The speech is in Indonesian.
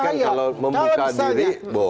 tapi kalau membuka diri boleh